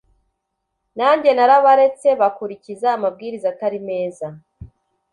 nanjye narabaretse bakurikiza amabwiriza atari meza